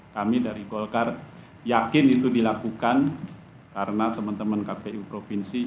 kami dari golkar yakin itu dilakukan karena teman teman kpu provinsi